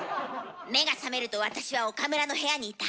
目が覚めると私は岡村の部屋にいた。